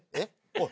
おい